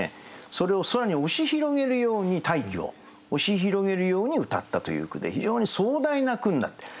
それを空に押し広げるように大気を押し広げるようにうたったという句で非常に壮大な句になってる。